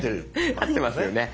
合ってますよね。